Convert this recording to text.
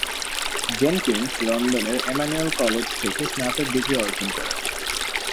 Jenkins লন্ডনের Emmanuel college থেকে স্নাতক ডিগ্রি অর্জন করেন।